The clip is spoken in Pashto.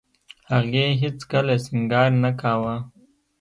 هغې هېڅ کله سينګار نه کاوه.